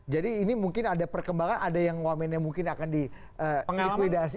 jadi ini mungkin ada perkembangan ada yang wamennya mungkin akan di likuidasi